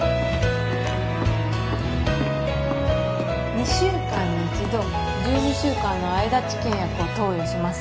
２週間に一度１２週間の間治験薬を投与します